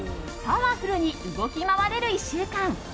パワフルに動き回れる１週間。